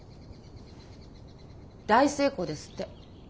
大成功ですって。